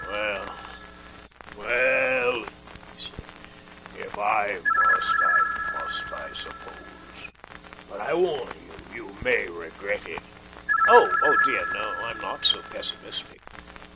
"Well, well," he said, "if I must, I must, I suppose. But I warn you, you may regret it." " Oh dear no, I'm not so pessimistic.